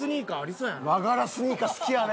和柄スニーカー好きやね。